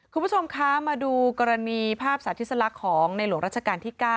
คุณผู้ชมคะมาดูกรณีภาพศาสตร์ธิสระของในหลวงรัชกาลที่๙